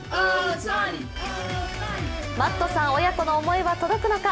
マットさん親子の思いは届くのか。